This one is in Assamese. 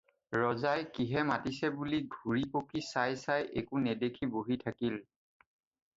ৰজাই কিহে মাতিছে বুলি ঘূৰি-পকি চাই চাই একো নেদেখি বহি থাকিল।